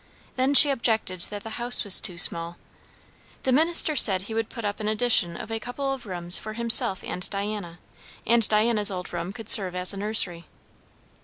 Then she objected that the house was too small. The minister said he would put up an addition of a couple of rooms for himself and Diana, and Diana's old room could serve as a nursery.